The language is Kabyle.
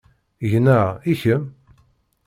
Gneɣ, i kemm?